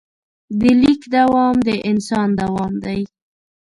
د لیک دوام د انسان دوام دی.